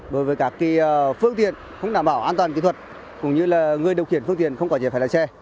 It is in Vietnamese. bởi vì các phương tiện không đảm bảo an toàn kỹ thuật cũng như là người điều khiển phương tiện không có giấy phép lái xe